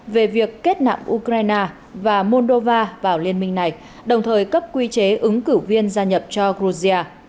về việc kết nạm ukraine và moldova vào liên minh này đồng thời cấp quy chế ứng cử viên gia nhập cho georgia